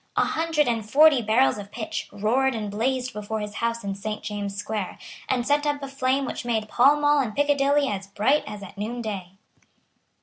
A hundred and forty barrels of pitch roared and blazed before his house in Saint James's Square, and sent up a flame which made Pall Mall and Piccadilly as bright as at noonday.